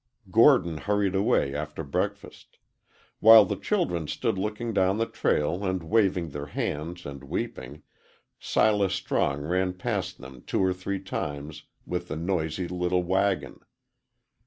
Gordon hurried away after breakfast. While the children stood looking down the trail and waving their hands and weeping, Silas Strong ran past them two or three times with the noisy little wagon.